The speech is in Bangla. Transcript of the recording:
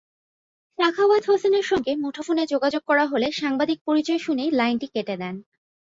সাখাওয়াত হোসেনের সঙ্গে মুঠোফোনে যোগাযোগ করা হলে সাংবাদিক পরিচয় শুনেই লাইনটি কেটে দেন।